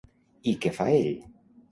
I què fa ell?